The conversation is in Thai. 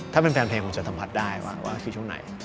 ถ้าเป็นแฟนเพลงคงจะสัมผัสได้ว่าคือช่วงไหน